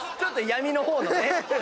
闇の方のね。